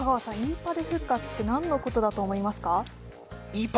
パレ復活って何のことだと思いますか？